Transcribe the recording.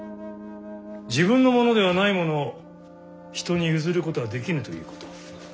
自分のものではないものを人に譲ることはできぬということを。